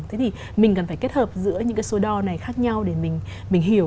thế thì mình cần phải kết hợp giữa những cái số đo này khác nhau để mình hiểu